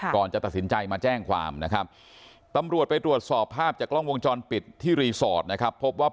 ก่อนจะตัดสินใจมาแจ้งความนะครับ